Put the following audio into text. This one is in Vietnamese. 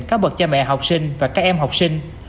cáo bật cha mẹ học sinh và các em học sinh